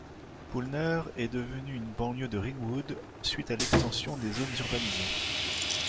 Poulner est devenu une banlieue de Ringwood, suite à l'extension des zones urbanisées.